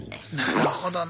なるほどな。